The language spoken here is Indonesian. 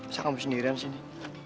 saya kamu sendirian sini